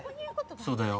そうだよ。